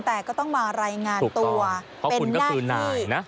แต่ก็ต้องมารายงานตัวถูกตอบเพราะคุณก็คือหน่ายนะ